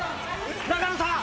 永野さん！